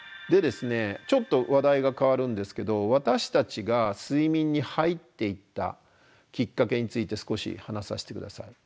ちょっと話題が変わるんですけど私たちが睡眠に入っていったきっかけについて少し話させて下さい。